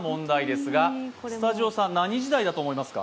スタジオさん、何時代だと思いますか？